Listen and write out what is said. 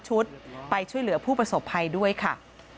ชุดไปช่วยเหลือผู้ประสบภัยด้วยค่ะ